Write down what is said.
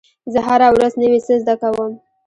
زه هره ورځ نوی څه زده کوم.